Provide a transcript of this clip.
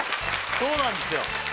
そうなんですよ